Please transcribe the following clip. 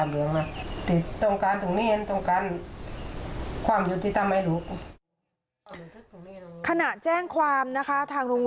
ข่มขืนรุ่นน้องคนนึงจนตั้งครรภ์